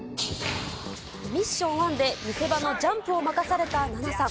ミッション１で見せ場のジャンプを任されたナナさん。